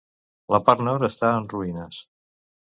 La part nord està en ruïnes.